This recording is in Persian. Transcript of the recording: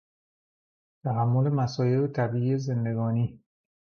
تحمل مصایب طبیعی زندگانی